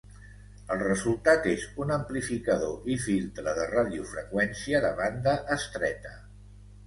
El resultat és un amplificador i filtre de radiofreqüència de banda estreta.